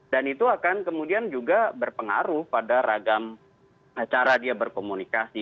dan itu akan kemudian juga berpengaruh pada ragam cara dia berkomunikasi